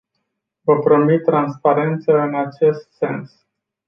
Vă promit transparență în acest sens.